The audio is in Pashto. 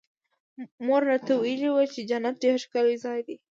مور راته ويلي وو چې جنت ډېر ښکلى ځاى دى.